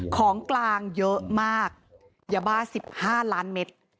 ของกลางเยอะมากยาบ้า๑๕ล้านเมตร